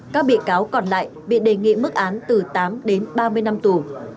các bị cáo còn lại bị đề nghị mức án từ tám đến ba mươi năm tù